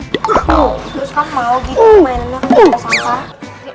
terus kamu mau gitu mainannya di tempat sampah